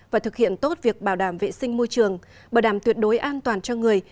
và thực hiện tốt việc bảo đảm vệ sinh môi trường bảo đảm tuyệt đối an toàn cho người